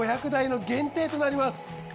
５００台の限定となります。